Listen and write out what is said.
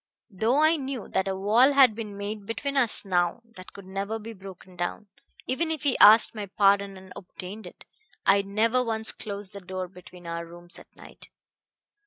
Though I knew that a wall had been made between us now that could never be broken down even if he asked my pardon and obtained it I never once closed the door between our rooms at night.